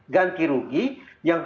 ganti rugi yang harus dibayar oleh polisi